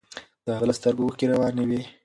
د هغه له سترګو اوښکې روانې وې.